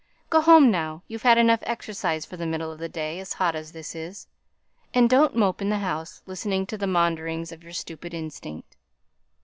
Go home now, you've had enough exercise for the middle of a day as hot as this is. And don't mope in the house, listening to the maunderings of your stupid instinct."